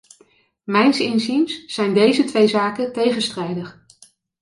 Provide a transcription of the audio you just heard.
Mijns inziens zijn deze twee zaken tegenstrijdig.